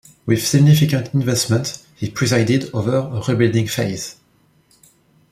With significant investment, he presided over a rebuilding phase.